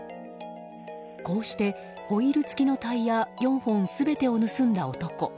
こうしてホイール付きのタイヤ４本全てを盗んだ男。